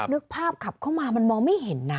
นึกภาพขับเข้ามามันมองไม่เห็นนะ